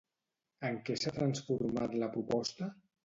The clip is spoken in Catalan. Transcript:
En què s'ha transformat la proposta?